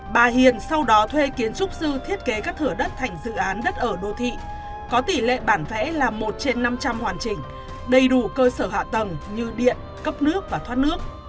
bà hiền sau đó thuê kiến trúc sư thiết kế các thửa đất thành dự án đất ở đô thị có tỷ lệ bản vẽ là một trên năm trăm linh hoàn chỉnh đầy đủ cơ sở hạ tầng như điện cấp nước và thoát nước